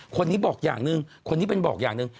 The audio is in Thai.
คนนี้บอกอย่างหนึ่งคนนี้เป็นบอกอย่างหนึ่ง